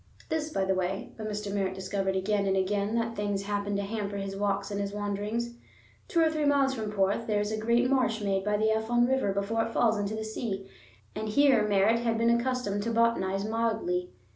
This by the way; but Mr. Merritt discovered again and again that things happened to hamper his walks and his wanderings. Two or three miles from Porth there is a great marsh made by the Afon river before it falls into the sea, and here Merritt had been accustomed to botanize mildly.